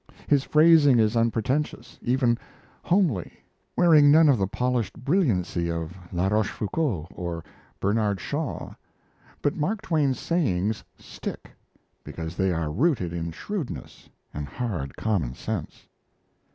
His phrasing is unpretentious, even homely, wearing none of the polished brilliancy of La Rochefoucauld or Bernard Shaw; but Mark Twain's sayings "stick" because they are rooted in shrewdness and hard commonsense.